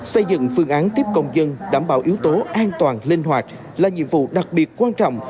xây dựng phương án tiếp công dân đảm bảo yếu tố an toàn linh hoạt là nhiệm vụ đặc biệt quan trọng